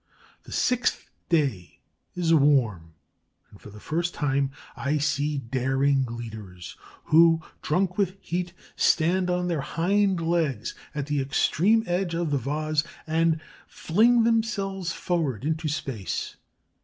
The sixth day is warm, and for the first time I see daring leaders, who, drunk with heat, stand on their hind legs at the extreme edge of the vase and fling themselves forward into space.